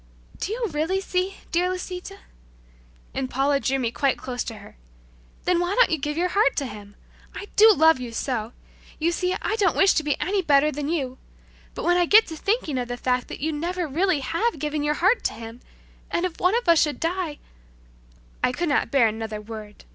"Do you really see, dear Lisita?" And Paula drew me quite close to her. "Then why don't you give your heart to Him? I do love you so! You see, I don't wish to seem to be any better than you but when I get thinking of the fact that you never really have given your heart to Him, and if one of us should die " I could not bear another word.